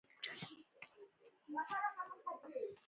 نن مې پټی مینځلي وو.